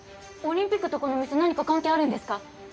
オリンピックとこの店何か関係あるんですか？